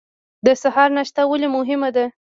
د سهار ناشته ولې مهمه ده؟